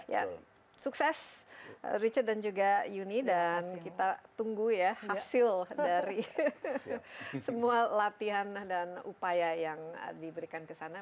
ya sukses richard dan juga yuni dan kita tunggu ya hasil dari semua latihan dan upaya yang diberikan ke sana